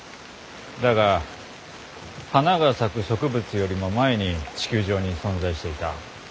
だが花が咲く植物よりも前に地球上に存在していた。